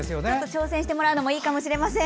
挑戦してもらうのもいいかもしれません。